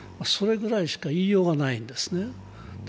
それぐらいしか言いようがないんです。